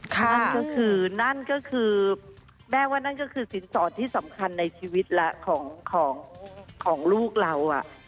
นั่นก็คือนั่นก็คือแม่ว่านั่นก็คือสินสอดที่สำคัญในชีวิตแล้วของลูกเรา